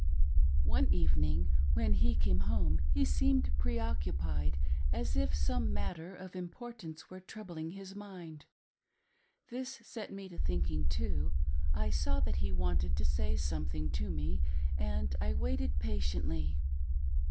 One evening, when he came hoiae, he seemed preoccupied as if some matter of importance were troubling his mind. BROUGHT HOME TO ME. 427 This set me thinking, too, I saw that he wanted to say some thing to me, and I waited patiently.